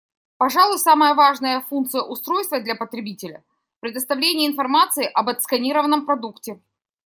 Пожалуй, самая важная функция устройства для потребителя — предоставление информации об отсканированном продукте.